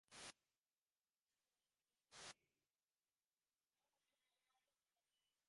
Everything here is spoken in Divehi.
ދަރަވަންދުއަށް ލާންޗުގައި ސާޅީސް ފަސް މިނެޓުން ދެވިއްޖެ